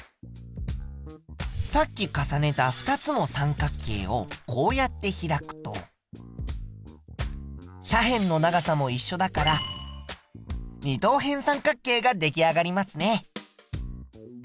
さっき重ねた２つの三角形をこうやって開くと斜辺の長さもいっしょだから二等辺三角形が出来上がりますね。